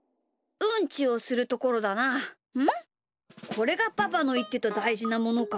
これがパパのいってただいじなものか。